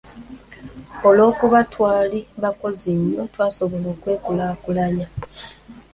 "Olw'okuba twali bakozi nnyo, twasobola okwekulaakulanya."